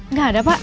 nggak ada pak